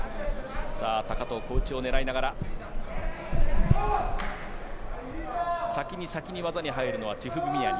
高藤、小内を狙いながら先に先に技に入るのはチフビミアニ。